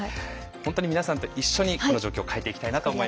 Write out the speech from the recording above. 本当に皆さんと一緒にこの状況を変えていきたいなと思います。